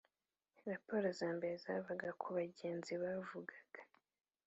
Raporo za mbere zavaga ku bagenzi bavugaga